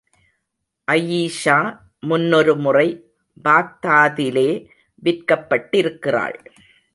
Ayesha, முன்னொருமுறை பாக்தாதிலே விற்கப்பட்டிருக்கிறாள்.